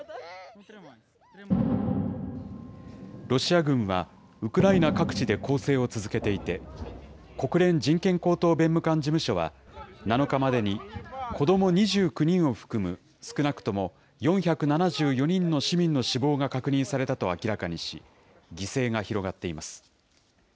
ロシア軍は、ウクライナ各地で攻勢を続けていて、国連人権高等弁務官事務所は、７日までに子ども２９人を含む少なくとも４７４人の市民の死亡が確認されたと明らかにし、犠牲が広がっています。